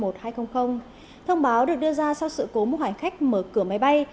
thông báo được đưa ra sau sự cố một hành khách mở cửa máy bay